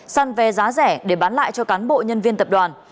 săn vé giá rẻ để bán lại cho cán bộ nhân viên tập đoàn